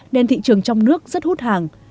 nên thị trường trong nước rất hút hàng